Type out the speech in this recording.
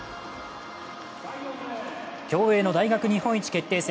競泳の大学日本一決定戦。